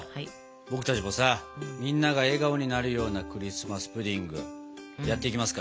僕たちもさみんなが笑顔になるようなクリスマス・プディングやっていきますか。